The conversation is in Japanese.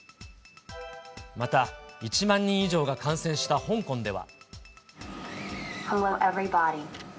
また１万人以上が感染した香港では。